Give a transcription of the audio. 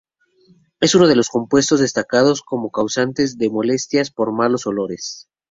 Es uno de los compuestos destacados como causantes de molestias por malos olores.